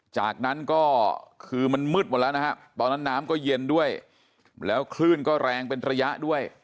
จากนั้นก็คือมันมืดหมดแล้วนะฮะตอนนั้นน้ำก็เย็นด้วยแล้วคลื่นก็แรงเป็นระยะด้วย